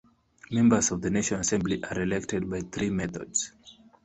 Members of the National Assembly are elected by three methods.